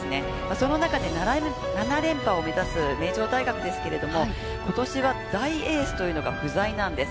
その中で７連覇を目指す名城大学ですけれども、ことしは大エースというのが不在なんです。